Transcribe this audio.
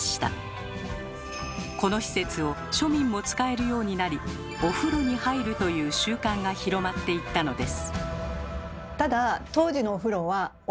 この施設を庶民も使えるようになり「お風呂に入る」という習慣が広まっていったのです。